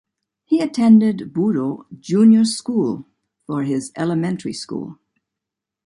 He attended "Budo Junior School" for his elementary school.